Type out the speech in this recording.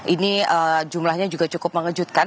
ini jumlahnya juga cukup mengejutkan